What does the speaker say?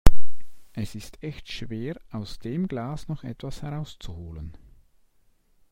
Es ist echt schwer, aus dem Glas noch etwas herauszuholen.